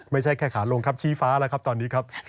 ไม่ใช่แค่ขาลงครับชี้ฟ้าแล้วครับตอนนี้ครับ